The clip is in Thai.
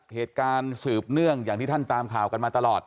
สืบเนื่องอย่างที่ท่านตามข่าวกันมาตลอด